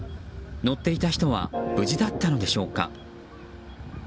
乗っていた人は無事だったのでしょうか。